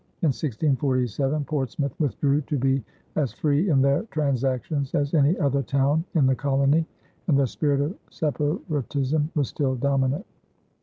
In 1647 Portsmouth withdrew "to be as free in their transactions as any other town in the colony," and the spirit of separatism was still dominant.